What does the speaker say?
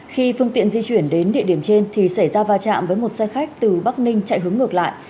khi phương tiện di chuyển đến địa điểm trên thì xảy ra va chạm với một xe khách từ bắc ninh chạy hướng ngược lại